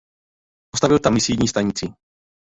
Postavil tam misijní stanici.